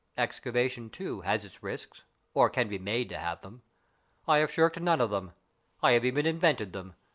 Excavation, too, has its risks, or can be made to have them. I have shirked none of them. I have even invented them.